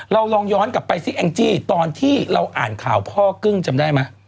เราลองย้อนกลับไปซิแองจี้ตอนที่เราอ่านข่าวพ่อกึ้งจำได้ไหม